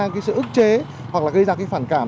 cái sự ức chế hoặc là gây ra cái phản cảm